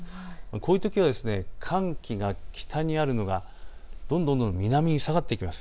こういうときは寒気が北にあるのが、どんどん南に下がっていくんです。